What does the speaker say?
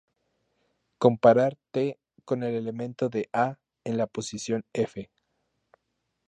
Comparar "t" con el elemento de "A" en la posición "F".